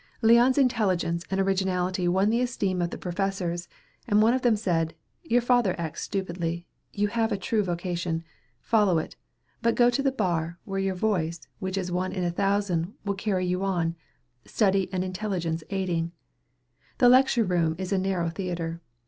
Leon's intelligence and originality won the esteem of the professors, and one of them said, "Your father acts stupidly. You have a true vocation. Follow it. But go to the bar, where your voice, which is one in a thousand, will carry you on, study and intelligence aiding. The lecture room is a narrow theatre.